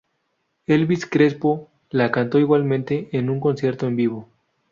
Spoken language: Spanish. Elvis Crespo la cantó igualmente en un concierto en vivo.